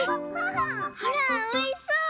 ほらおいしそう！